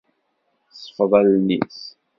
Tesfeḍ allen-is.